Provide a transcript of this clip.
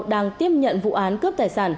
đang tiếp nhận vụ án cướp tài sản